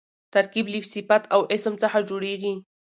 ترکیب له صفت او اسم څخه جوړېږي.